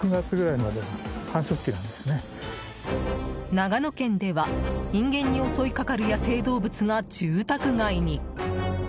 長野県では人間に襲いかかる野生動物が住宅街に。